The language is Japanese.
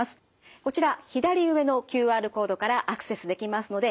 こちら左上のＱＲコードからアクセスできますので是非ご覧ください。